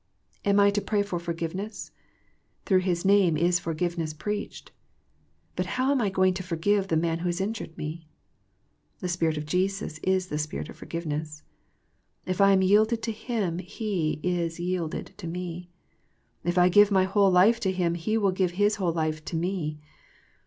Am I to pray for for giveness ? Through His name is forgiveness preached. But how am I going to forgive the man who has injured me ? The Spirit of Jesus is the spirit of forgiveness. If I am yielded to Him He is yielded to me. If I give my whole life to Him He will give His Avhole life to me.